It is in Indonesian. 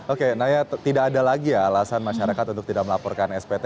oke nah ya tidak ada lagi alasan masyarakat untuk tidak melaporkan spt